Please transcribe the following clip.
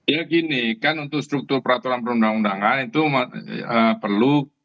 ya gini kan untuk struktur peraturan perundang undangan itu perlu